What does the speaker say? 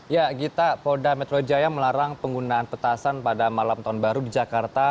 ya gita polda metro jaya melarang penggunaan petasan pada malam tahun baru di jakarta